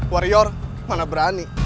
warrior mana berani